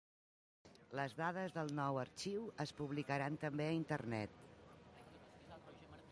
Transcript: Les dades del nou arxiu es publicaran també a Internet.